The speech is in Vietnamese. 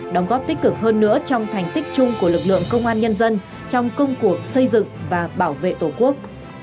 đóng góp tích cực hơn nữa trong thành tích chung của lực lượng công an nhân dân trong công cuộc xây dựng và bảo vệ tổ quốc